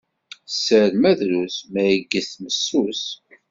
Sser ma drus, ma igget messus.